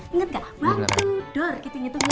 ingat gak waktu dor gitu nyetuknya